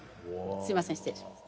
すいません失礼します。